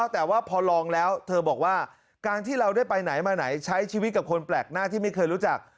แต่ว่าพอลองแล้วเธอบอกว่าการที่เราได้ไปไหนมาไหนใช้ชีวิตกับคนแปลกหน้าที่ไม่เคยรู้จัก